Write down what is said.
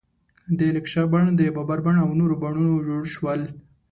د لکشا بڼ، د بابر بڼ او نور بڼونه جوړ شول.